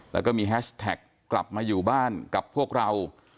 แล้วก็มีแฮชแท็กกลับมาอยู่บ้านกับพวกเรา